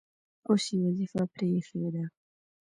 اوس یې وظیفه پرې ایښې ده.